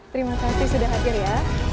terima kasih sudah hadir ya